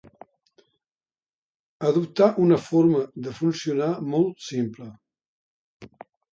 Adoptà una forma de funcionar molt simple.